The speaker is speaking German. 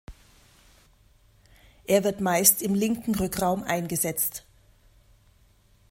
Er wird meist im linken Rückraum eingesetzt.